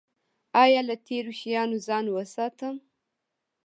ایا له تیرو شیانو ځان وساتم؟